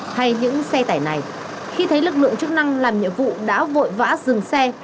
hay những xe tải này khi thấy lực lượng chức năng làm nhiệm vụ đã vội vã dừng xe